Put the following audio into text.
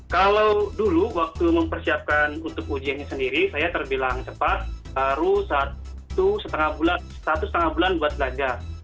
kalau dulu waktu mempersiapkan untuk ujiannya sendiri saya terbilang cepat baru satu setengah bulan buat belajar